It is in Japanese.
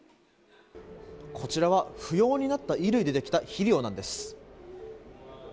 こちらは不要になった衣類でできた肥料なんです。